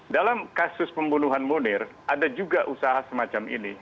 dalam kasus pembunuhan munir ada juga usaha semacam ini